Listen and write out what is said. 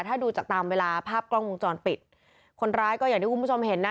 ถ้าดูจากตามเวลาภาพกล้องวงจรปิดคนร้ายก็อย่างที่คุณผู้ชมเห็นนะ